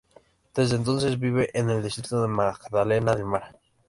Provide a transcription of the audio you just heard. Desde entonces vive en el distrito de Magdalena del Mar.